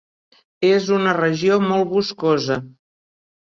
És una regió molt boscosa.